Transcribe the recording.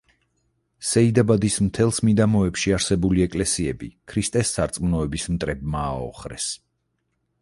სეიდაბადის მთელს მიდამოებში არსებული ეკლესიები ქრისტეს სარწმუნოების მტრებმა ააოხრეს.